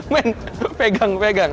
men pegang pegang